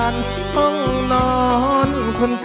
ร้องนอนคนจน